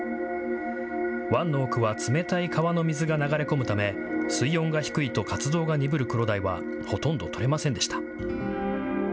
湾の奥は冷たい川の水が流れ込むため、水温が低いと活動が鈍るクロダイはほとんど取れませんでした。